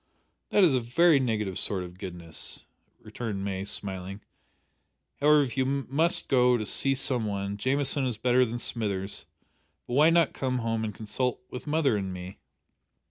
"That is a very negative sort of goodness," returned May, smiling. "However, if you must go to see some one, Jamieson is better than Smithers; but why not come home and consult with mother and me?"